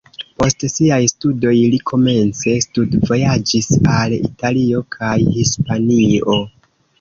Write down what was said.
Post siaj studoj li komence studvojaĝis al Italio kaj Hispanio.